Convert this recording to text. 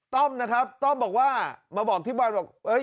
ต้อมนะครับต้อมบอกว่ามาบอกที่ประวัติศาสตร์